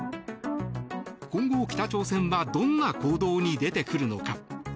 今後、北朝鮮はどんな行動に出てくるのか。